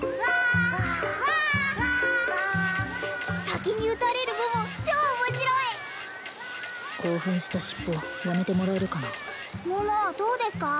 滝に打たれる桃超面白い興奮した尻尾やめてもらえるかな桃どうですか？